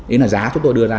ý là giá chúng tôi đưa ra